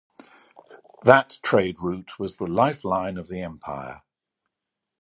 That trade route was the lifeline of the Empire.